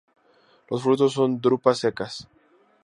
Los frutos son drupas secas.